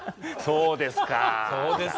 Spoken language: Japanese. そうですか。